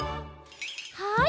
はい。